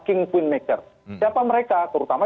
king queen maker siapa mereka terutama